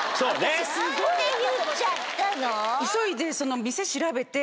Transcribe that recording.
何で言っちゃったの？